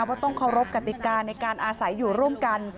ว่าต้องเคารพกติกาในการอาศัยอยู่ร่วมกัน